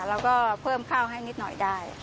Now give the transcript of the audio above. แล้วก็เพิ่มข้าวให้นิดหน่อยได้